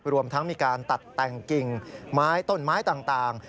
รวมทั้งมีการตัดแต่งกิ่งไม้ต้นไม้ต่าง